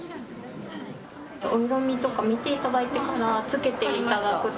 お色味とか見ていただいてからつけていただくと。